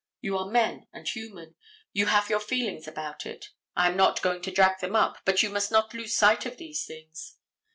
You are men and human. You have your feelings about it. I am not going to drag them up, but you must not lose sight of these things.